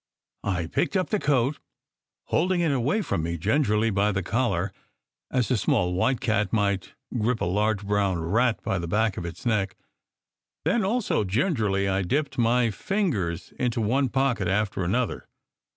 I picked up the coat, holding it away from me gingerly, by the collar, as a small white cat might grip a large brown rat by the back of its neck. Then, also gingerly, I dipped my fingers into one pocket after another.